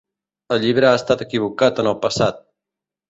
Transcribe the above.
El llibre ha estat equivocat en el passat.